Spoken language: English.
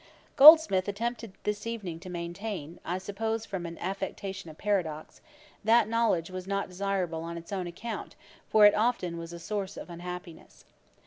Goldsmith attempted this evening to maintain, I suppose from an affectation of paradox, 'that knowledge was not desirable on its own account, for it often was a source of unhappiness.'